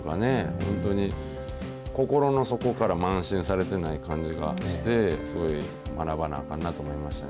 本当に、心の底から慢心されてない感じがして、すごい学ばなあかんなと思いましたね。